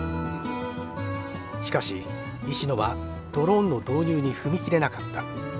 しかし石野はドローンの導入に踏み切れなかった。